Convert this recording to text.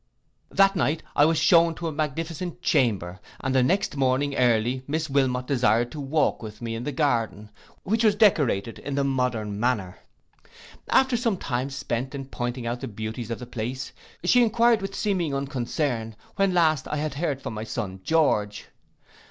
That night I was shewn to a magnificent chamber, and the next morning early Miss Wilmot desired to walk with me in the garden, which was decorated in the modern manner. After some time spent in pointing out the beauties of the place, she enquired with seeming unconcern, when last I had heard from my son George.